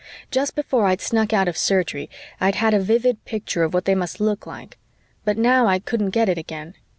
Just before I snuck out of Surgery, I'd had a vivid picture of what they must look like, but now I couldn't get it again.